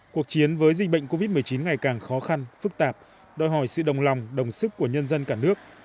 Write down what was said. cuộc chiến với dịch bệnh covid một mươi chín ngày càng khó khăn phức tạp đòi hỏi sự đồng lòng đồng sức của nhân dân cả nước